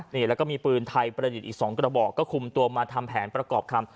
นี่แล้วก็มีปืนไทยประดิษฐ์อีก๒กระบอกก็คุมตัวมาทำแผนประกอบคำ